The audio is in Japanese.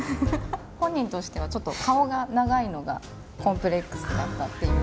本人としてはちょっと顔が長いのがコンプレックスだったっていうような。